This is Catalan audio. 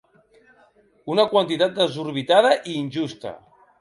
Una quantitat desorbitada i injusta.